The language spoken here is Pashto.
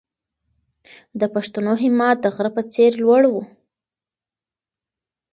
د پښتنو همت د غره په څېر لوړ و.